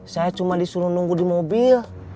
saya cuma disuruh nunggu di mobil